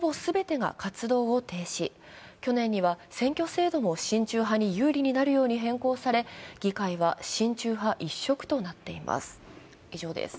去年には選挙制度も親中派に有利になるように変更され、議会は親中派一色となっています。